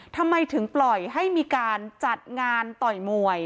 ทำไมถึงปล่อยให้มีการจัดงานต่อยมวย